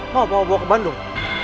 mau bawa ke bandung